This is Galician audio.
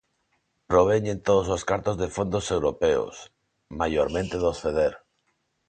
Proveñen todos os cartos de fondos europeos, maiormente dos Feder.